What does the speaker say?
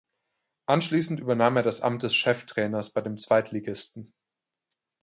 Anschließend übernahm er das Amt des Cheftrainers bei dem Zweitligisten.